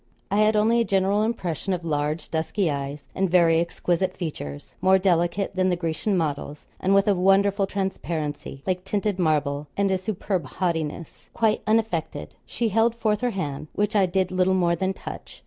I had only a general impression of large dusky eyes and very exquisite features more delicate than the Grecian models, and with a wonderful transparency, like tinted marble; and a superb haughtiness, quite unaffected. She held forth her hand, which I did little more than touch.